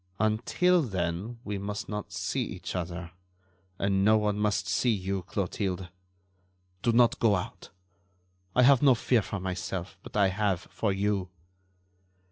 "Until then we must not see each other and no one must see you, Clotilde. Do not go out. I have no fear for myself, but I have for you."